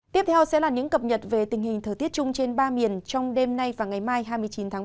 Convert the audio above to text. tiếp theo sẽ là những cập nhật về tình hình thời tiết chung trên ba miền trong đêm nay và ngày mai hai mươi chín tháng ba